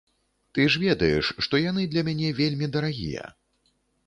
Ты ж ведаеш, што яны для мяне вельмі дарагія.